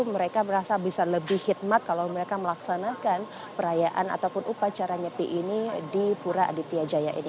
mereka merasa bisa lebih khidmat kalau mereka melaksanakan perayaan ataupun upacara nyepi ini di pura aditya jaya ini